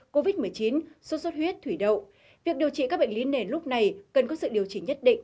covid một mươi chín sốt xuất huyết thủy đậu việc điều trị các bệnh lý nền lúc này cần có sự điều chỉnh nhất định